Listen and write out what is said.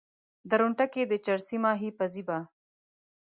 درونټه کې د چرسي ماهي پزي به